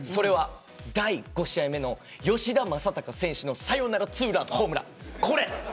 第５試合目の吉田正尚選手のサヨナラツーランホームラン。